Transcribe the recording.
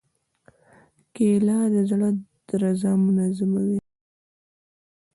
کېله د زړه درزا منظموي.